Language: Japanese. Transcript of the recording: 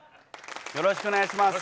よろしくお願いします。